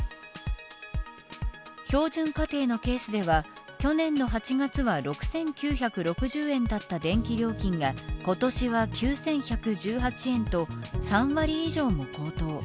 標準家庭のケースでは去年の８月は６９６０円だった電気料金が今年は９１１８円と３割以上も高騰。